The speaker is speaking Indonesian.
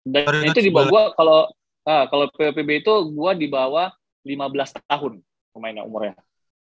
dan itu di bawah gue kalo popb itu di bawah lima belas tahun pemainnya umurnya